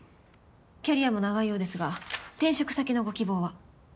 キャリアも長いようですが転職先のご希望は？